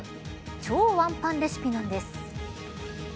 超ワンパンレシピなんです。